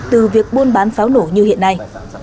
từ việc buôn bán pháo nổ như hiện nay